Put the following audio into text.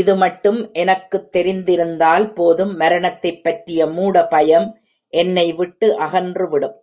இது மட்டும் எனக்குத் தெரிந்திருந்தால் போதும் மரணத்தைப் பற்றிய மூட பயம் என்னை விட்டு அகன்று விடும்.